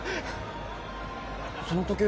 その時計